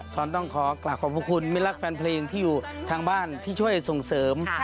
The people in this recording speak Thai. ต้องขอกลับขอบคุณไม่รักแฟนเพลงที่อยู่ทางบ้านที่ช่วยส่งเสริม